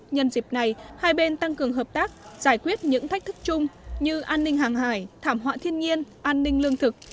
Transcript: nhân dịp này hai bên tăng cường hợp tác giải quyết những thách thức chung như an ninh hàng hải thảm họa thiên nhiên an ninh lương thực